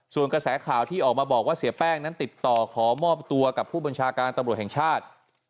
ส่วนกระแสข่าวที่ออกมาบอกว่าเสียแป้งนั้นติดต่อขอมอบตัวกับผู้บัญชาการตำรวจแห่งชาติ